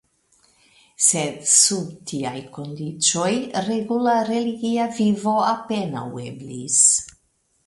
Sed sub tiaj kondiĉoj regula religia vivo apenaŭ eblis.